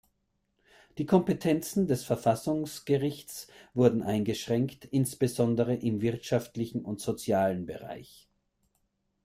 Die Kompetenzen des Verfassungsgerichts wurden eingeschränkt, insbesondere im wirtschaftlichen und sozialen Bereich.